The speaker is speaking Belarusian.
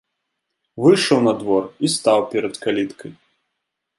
Выйшаў на двор і стаў перад каліткай.